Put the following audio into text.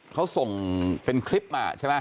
เขาส่งเป็นคลิปมาใช่ไหม